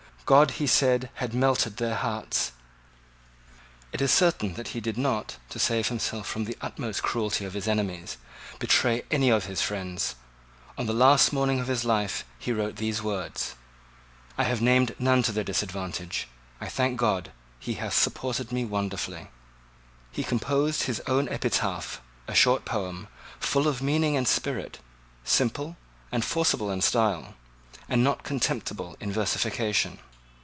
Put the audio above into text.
God, he said, had melted their hearts. It is certain that he did not, to save himself from the utmost cruelty of his enemies, betray any of his friends. On the last morning of his life he wrote these words: "I have named none to their disadvantage. I thank God he hath supported me wonderfully!" He composed his own epitaph, a short poem, full of meaning and spirit, simple and forcible in style, and not contemptible in versification.